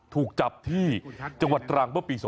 ถูกจับที่จังหวัดตรังเมื่อปี๒๕๖